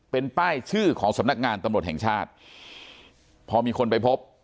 เป็นป้ายชื่อของสำนักงานตำรวจแห่งชาติพอมีคนไปพบ